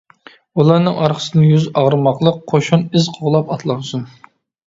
ئۇلارنىڭ ئارقىسىدىن يۈز ئارغىماقلىق قوشۇن ئىز قوغلاپ ئاتلانسۇن!